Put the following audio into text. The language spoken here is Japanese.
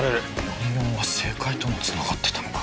４４は政界とも繋がってたのか。